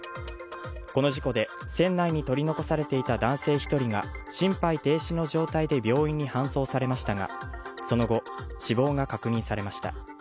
この事故で船内に取り残されていた男性一人が心肺停止の状態で病院に搬送されましたがその後死亡が確認されました